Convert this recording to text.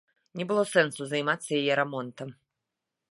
Не было сэнсу займацца яе рамонтам.